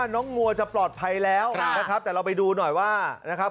มัวจะปลอดภัยแล้วนะครับแต่เราไปดูหน่อยว่านะครับ